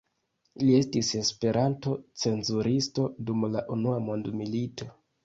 Li estis Esperanto-cenzuristo dum la unua mondmilito.